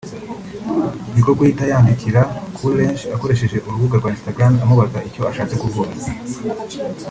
niko guhita yandikira Karrueche akoresheje urubuga rwa Instagram amubaza icyo ashatse kuvuga